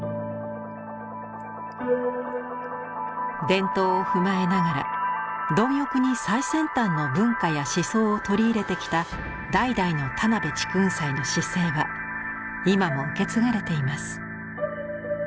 伝統を踏まえながら貪欲に最先端の文化や思想を取り入れてきた代々の田辺竹雲斎の姿勢は今も受け継がれています。